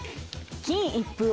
金一封を。